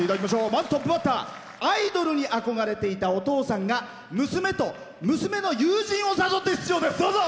まず、トップバッターアイドルに憧れていたお父さんが娘と娘の友人を誘って出場です。